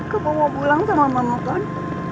aku mau pulang sama mama kan